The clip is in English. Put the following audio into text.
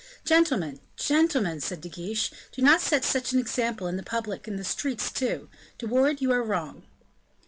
"Gentlemen, gentlemen," said De Guiche, "do not set such an example in public, in the street too. De Wardes, you are wrong."